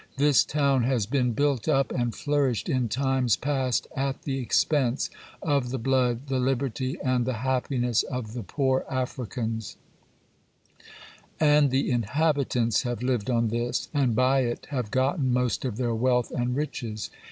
This town has been built up and flourished in times past at the expense of the blood, the liberty, and the happiness of the poor Africans; and the inhabitants have lived on this, and by it have gotten most of their wealth and riches.